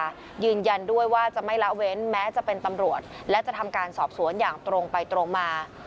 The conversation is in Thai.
ก็ยืนยันด้วยว่าจะไม่ละเว้นแม้จะเป็นตำรวจและจะทำการสอบสวนอย่างตรงไปตรงมา